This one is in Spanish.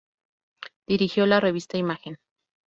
Dirigió la revista Imagen.